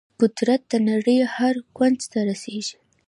قدرت د نړۍ هر کونج ته رسیږي.